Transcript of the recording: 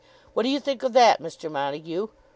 What do you think of that, Mr. Montague?